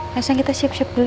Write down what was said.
langsung kita siap siap dulu yuk